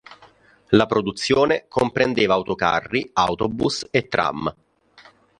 La produzione comprendeva autocarri, autobus e tram.